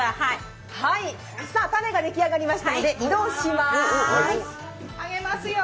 タネができ上がりましたので、移動します。